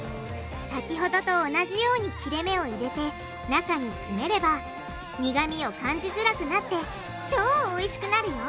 先ほどと同じように切れ目を入れて中に詰めれば苦味を感じづらくなって超おいしくなるよ！